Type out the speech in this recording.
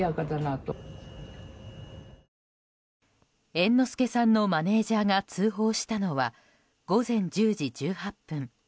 猿之助さんのマネジャーが通報したのは午前１０時１８分。